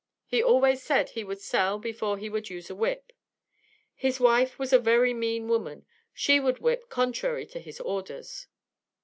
He always said he would sell before he would use a whip. His wife was a very mean woman; she would whip contrary to his orders."